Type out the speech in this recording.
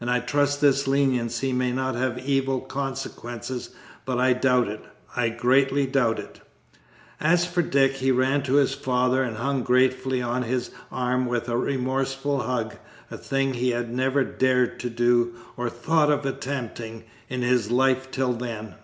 And I trust this leniency may not have evil consequences, but I doubt it I greatly doubt it." As for Dick, he ran to his father, and hung gratefully on to his arm with a remorseful hug, a thing he had never dared to do, or thought of attempting, in his life till then.